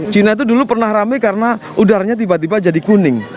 cina itu dulu pernah rame karena udaranya tiba tiba jadi kuning